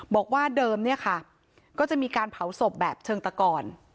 บอกว่าเดิมเนี่ยค่ะก็จะมีการเผาศพแบบเชิงตะกร